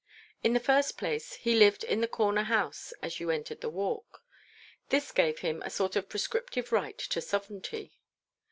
In the first place, he lived in the corner house as you entered the Walk. This gave him a sort of prescriptive right to sovereignty.